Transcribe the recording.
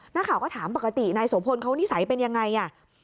นักข่าวก็ถามปกตินายโสพลเขานิสัยเป็นยังไงอ่ะ